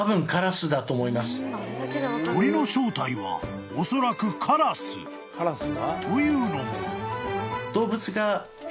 ［鳥の正体はおそらく］［というのも］